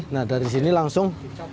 nah dari sini langsung